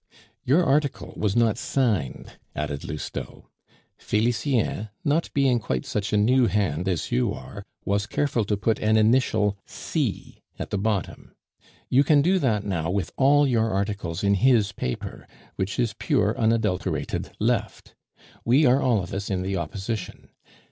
"You article was not signed," added Lousteau. "Felicien, not being quite such a new hand as you are, was careful to put an initial C at the bottom. You can do that now with all your articles in his paper, which is pure unadulterated Left. We are all of us in the Opposition.